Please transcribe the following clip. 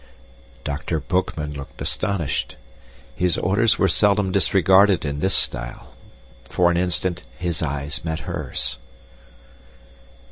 Dr. Boekman looked astonished. His orders were seldom disregarded in this style. For an instant his eye met hers.